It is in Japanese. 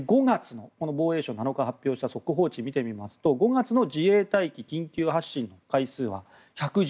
防衛省が７日発表した速報値を見てみますと５月の自衛隊機緊急発進の回数は１１９回。